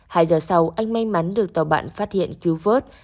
hai giờ sau anh may mắn được tàu bạn phát hiện cứu vớt